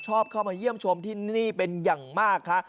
เข้ามาเยี่ยมชมที่นี่เป็นอย่างมากค่ะ